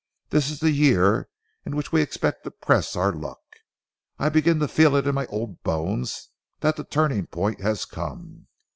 This is the year in which we expect to press our luck. I begin to feel it in my old bones that the turning point has come.